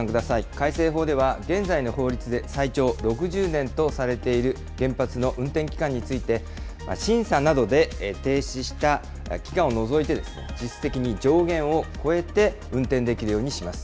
改正法では現在の法律で最長６０年とされている原発の運転期間について、審査などで停止した期間を除いて、実質的に上限を超えて運転できるようにします。